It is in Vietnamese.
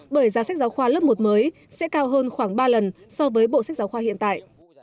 bởi giá sách giáo khoa lớp một mới sẽ cao hơn khoảng ba lần so với bộ sách giáo khoa hiện tại